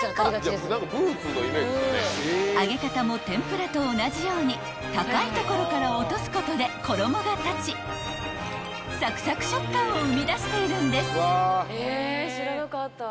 ［揚げ方も天ぷらと同じように高い所から落とすことで衣が立ちサクサク食感を生み出しているんです］